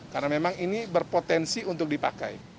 karena memang ini berpotensi untuk dipakai